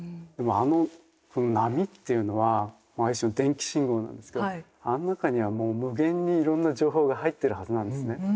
あのこの波っていうのはまあ一種の電気信号なんですけどあの中にはもう無限にいろんな情報が入ってるはずなんですね。